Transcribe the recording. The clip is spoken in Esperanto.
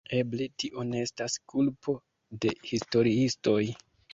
Eble tio ne estas kulpo de historiistoj.